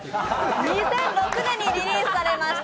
２００６年にリリースされました